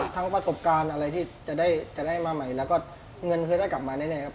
ทั้งประสบการณ์จะได้มาใหม่เราก็เงินคือได้กลับมาได้เลยนะครับ